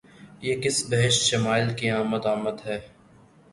یہ کس بہشت شمائل کی آمد آمد ہے!